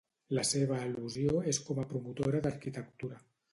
La seva al·lusió és com a promotora d'arquitectura.